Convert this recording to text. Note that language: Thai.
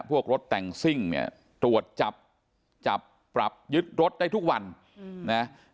พวกรถแต่งซิ่งเนี่ยตรวจจับจับปรับยึดรถได้ทุกวันนะ